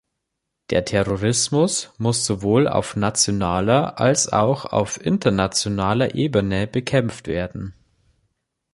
Der Terrorismus muss sowohl auf nationaler als auch auf internationaler Ebene bekämpft werden.